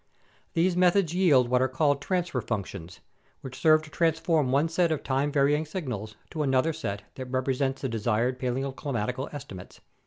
These methods yield what are called transfer func tions, which serve to transform one set of time varying signals to another set that represents the desired paleoclimatic estimates.